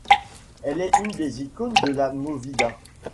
Elle est une des icônes de la Movida.